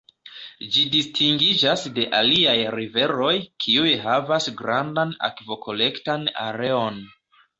Ĝi distingiĝas de aliaj riveroj, kiuj havas grandan akvokolektan areon.